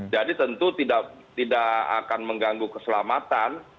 jadi tentu tidak akan mengganggu keselamatan